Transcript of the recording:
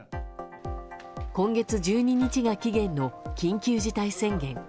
今月１２日が期限の緊急事態宣言。